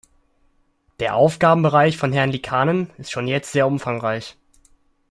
Der Aufgabenbereich von Herrn Liikanen ist schon jetzt sehr umfangreich.